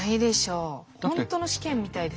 本当の試験みたいですよね。